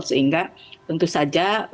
sehingga tentu saja